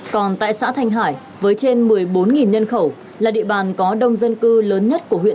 còn tại xã thanh hải với trên một mươi bốn nhân khẩu là địa bàn có đông dân cư lớn nhất của huyện